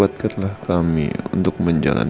di tempat itu dia bilang